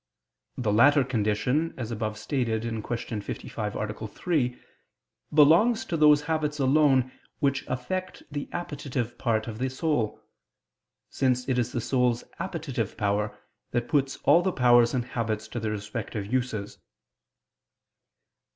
The latter condition, as above stated (Q. 55, A. 3), belongs to those habits alone which affect the appetitive part of the soul: since it is the soul's appetitive power that puts all the powers and habits to their respective uses.